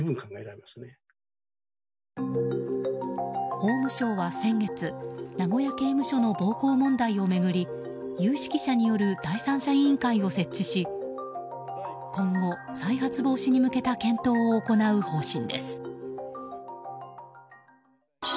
法務省は先月名古屋刑務所の暴行問題を巡り有識者による第三者委員会を設置し今後、再発防止に向けた検討を行う方針です。